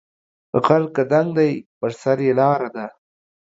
غر که دنګ دی په سر یې لار ده